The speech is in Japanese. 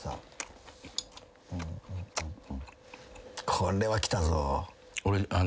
これはきたぞ。